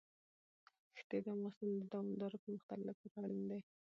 ښتې د افغانستان د دوامداره پرمختګ لپاره اړین دي.